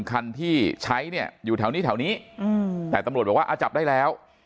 คันที่ใช้เนี่ยอยู่แถวนี้แถวนี้แต่ตำรวจบอกว่าจับได้แล้ว